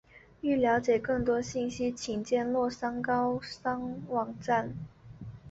欲了解更多信息请见洛桑高商网站。